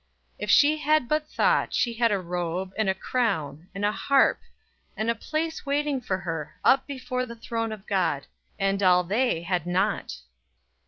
If she had but thought, she had a robe, and a crown, and a harp, and a place waiting for her, up before the throne of God; and all they had not.